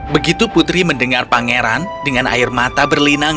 begitu putri mendengar pangeran dengan air mata berlinang